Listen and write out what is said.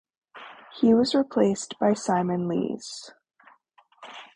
He was replaced by Simon Lees.